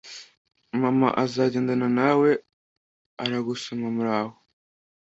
mama azagendana nawe aragusoma muraho